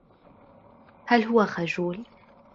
هل هو خجول؟